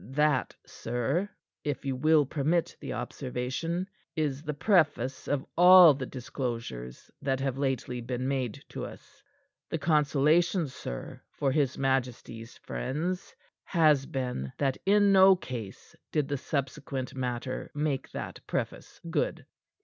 "That, sir if you will permit the observation is the preface of all the disclosures that have lately been made to us. The consolation, sir, for his majesty's friends, has been that in no case did the subsequent matter make that preface good."